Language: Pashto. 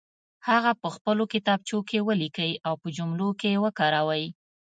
هغه په خپلو کتابچو کې ولیکئ او په جملو کې وکاروئ.